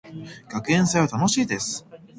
学園祭は楽しいです。